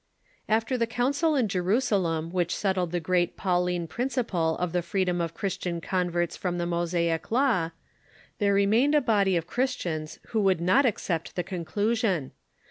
After the council in Jerusalem which settled the great Pau line principle of the freedom of Christian converts from the _. Mosaic law, there remained a body of Christians who Ebionites ,^, i • t i i • Avould not accept the conclusion.